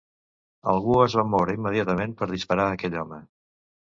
Algú es va moure immediatament per disparar aquell home.